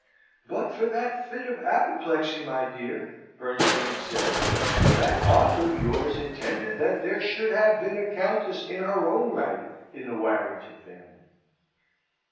"But for that fit of apoplexy, my dear," Bernstein said, "that aunt of yours intended there should have been a Countess in her own right in the Warrington family!"